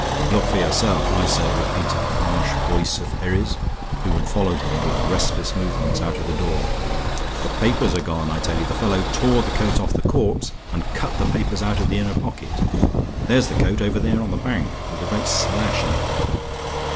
"Look for yourself, I say," repeated the harsh voice of Herries, who had followed him with restless movements out of the door. "The papers are gone, I tell you. The fellow tore the coat off the corpse and cut the papers out of the inner pocket. There's the coat over there on the bank, with the great slash in it."